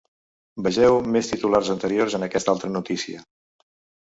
Vegeu més titulars anteriors en aquesta altra notícia.